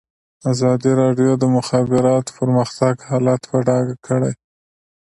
ازادي راډیو د د مخابراتو پرمختګ حالت په ډاګه کړی.